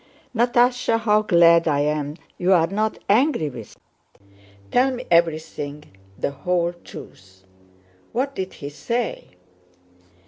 Natásha, how glad I am you're not angry with me! Tell me everything—the whole truth. What did he say?"